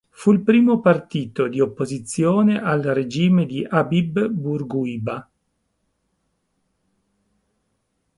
Fu il primo partito di opposizione al regime di Habib Bourguiba.